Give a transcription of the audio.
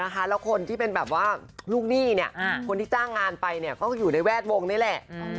แล้วคนที่เป็นแบบว่าลูกหนี้คนที่จ้างงานไปก็อยู่ในแวดวงนี่แหละ